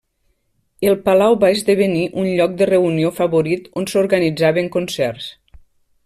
El palau va esdevenir un lloc de reunió favorit on s'organitzaven concerts.